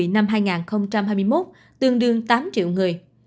năm hai nghìn hai mươi một tương đương tám triệu người